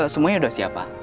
semuanya udah siap pak